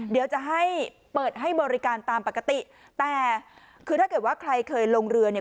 เดี๋ยวจะให้เปิดให้บริการตามปกติแต่คือถ้าเกิดว่าใครเคยลงเรือเนี่ย